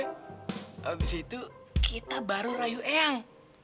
habis itu kita baru rayu eyang